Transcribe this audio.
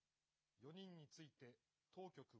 ４人について当局は。